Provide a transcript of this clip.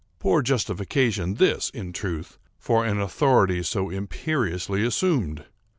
Poor justification this, in truth, for an authority so imperiously assumed!